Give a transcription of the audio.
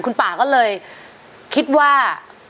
คุณป่าก็เลยคิดว่า